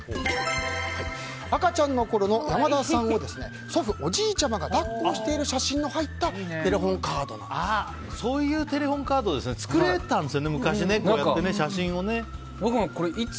赤ちゃんのころの山田さんを祖父、おじいちゃんが抱っこしている写真が入ったそういうテレフォンカードなんですね。